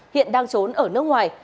hiện đang trốn ở nước ngoài